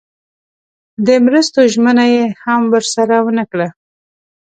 د مرستو ژمنه یې هم ورسره ونه کړه.